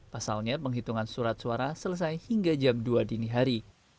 pasalnya penghitungan surat suara selesai hingga jam dua dini hari